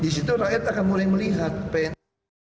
di situ rakyat akan mulai melihat pn